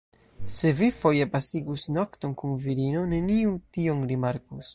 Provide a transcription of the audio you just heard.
Se vi foje pasigus nokton kun virino, neniu tion rimarkus.